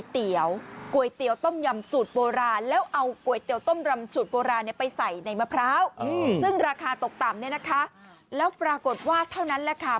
ตกต่ำเนี่ยนะคะแล้วปรากฏว่าเท่านั้นแหละค่ะ